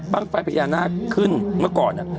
ไฟพญานาคขึ้นเมื่อก่อน